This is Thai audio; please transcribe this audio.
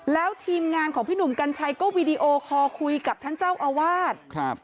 แล้วทีมงานของพี่หนุ่มกัญชัยก็วีดีโอคอลคุยกับท่านเจ้าอาวาส